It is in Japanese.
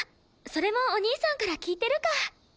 それもお兄さんから聞いてるか。